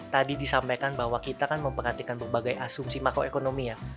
tadi disampaikan bahwa kita kan memperhatikan berbagai asumsi makroekonomi ya